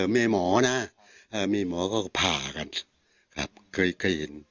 มีหมอนะมีหมอก็ผ่ากันครับเคยคลีน